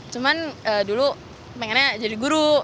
cuman dulu pengennya jadi guru